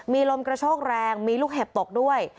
มีลมกระโชกแรงมีลูกเห็บตกด้วย